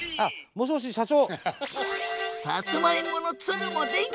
もしもし社長！